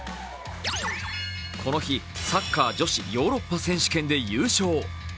この日、サッカー女子ヨーロッパ選手権で優勝。